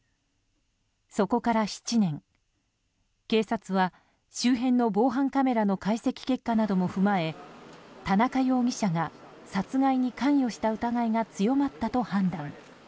そこから７年、警察は周辺の防犯カメラの解析結果なども踏まえ田中容疑者が殺害に関与した疑いが強まったと判断。